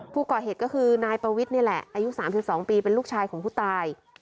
ผู้ก่อเหตุก็คือนายปวิทย์นี่แหละอายุ๓๒ปีเป็นลูกชายของผู้ตาย